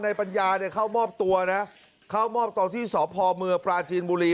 ในปัญญาเนี่ยเข้าหมอบตัวนะเข้าหมอบตอนที่สอบภอมือปลาจีนบุหรี